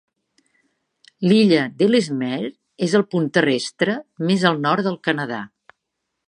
L'illa d'Ellesmere és el punt terrestre més al nord del Canadà.